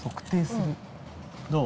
どう？